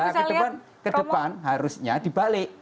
nah ke depan harusnya dibalik